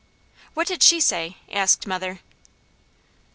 "What did she say?" asked mother.